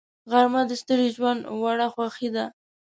غرمه د ستړي ژوند وړه خوښي ده